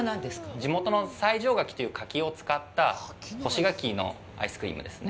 地元の西条柿という柿を使った干し柿のアイスクリームですね。